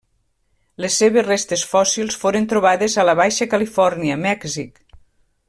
Les seves restes fòssils foren trobades a la Baixa Califòrnia, Mèxic.